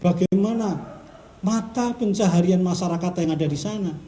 bagaimana mata pencaharian masyarakat yang ada di sana